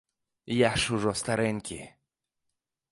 Я ж ужо старэнькі.